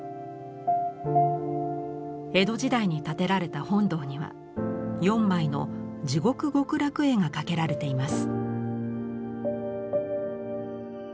江戸時代に建てられた本堂には４枚の「地獄極楽絵」が掛けられています。